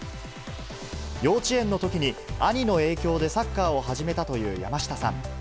幼稚園のときに、兄の影響でサッカーを始めたという山下さん。